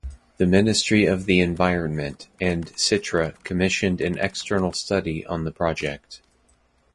The Ministry of the Environment and Sitra commissioned an external study on the project.